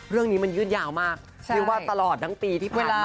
เรื่องนี้มันยืดยาวมากเรียกว่าตลอดทั้งปีที่เวลา